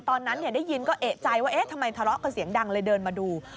ตอนนั้นได้ยินก็เอกใจว่าเอ๊ะทำไมทะเลาะกันเสียงดังเลยเดินมาดู